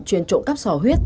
chuyên trộm cắp sò huyết